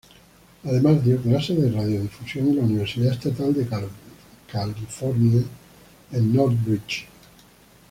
Además, dio clases de radiodifusión en la Universidad Estatal de California en Northridge.